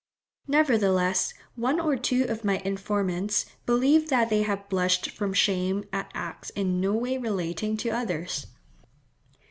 Nevertheless one or two of my informants believe that they have blushed from shame at acts in no way relating to others.